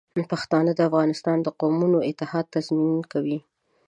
پښتانه د افغانستان د قومونو اتحاد تضمین کوي.